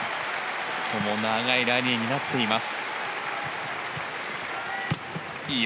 ここも長いラリーになっています。